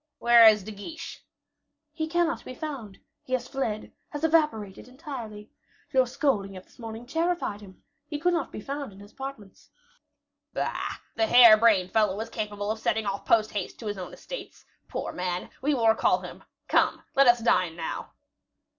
"Where is De Guiche?" "He cannot be found. He has fled has evaporated entirely. Your scolding of this morning terrified him. He could not be found in his apartments." "Bah! the hair brained fellow is capable of setting off post haste to his own estates. Poor man! we will recall him. Come, let us dine now."